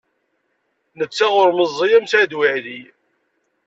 Netta ur meẓẓiy am Saɛid Waɛli.